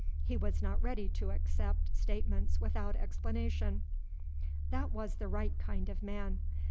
He was not ready to accept statements without explanation. That was the right kind of man.